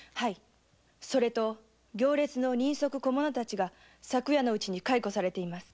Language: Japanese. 行列の人足小者たちが昨夜のうちに解雇されています。